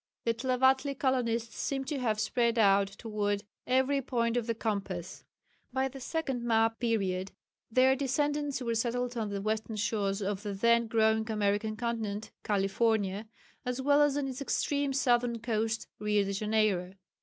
The Tlavatli colonists seem to have spread out towards every point of the compass. By the second map period their descendants were settled on the western shores of the then growing American continent (California) as well as on its extreme southern coasts (Rio de Janeiro).